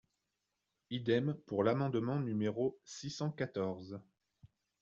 Idem pour l’amendement numéro six cent quatorze.